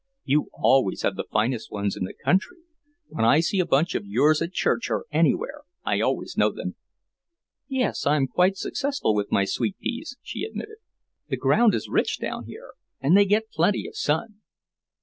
"You always have the finest ones in the country. When I see a bunch of yours at church or anywhere, I always know them." "Yes, I'm quite successful with my sweet peas," she admitted. "The ground is rich down here, and they get plenty of sun."